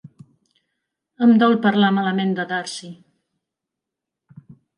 Em dol parlar malament de Darcy.